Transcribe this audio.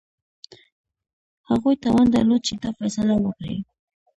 هغوی توان درلود چې دا فیصله وکړي.